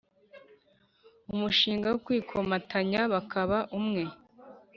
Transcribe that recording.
umushinga wo kwikomatanya bakaba umwe